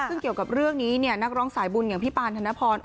ซึ่งเกี่ยวกับเรื่องนี้เนี่ยนักร้องสายบุญอย่างพี่ปานธนพร